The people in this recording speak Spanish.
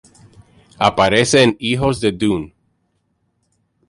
Aparece en "Hijos de Dune".